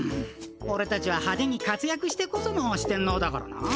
おれたちははでに活やくしてこその四天王だからな。